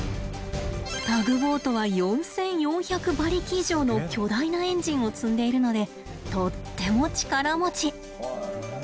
タグボートは４，４００馬力以上の巨大なエンジンを積んでいるのでとっても力持ち。